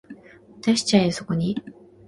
出しちゃえよそこに